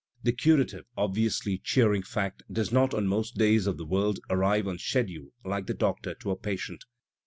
The curative, obvi ously cheering fact does not on most days of the world arrive on schedule like the doctor to a patient.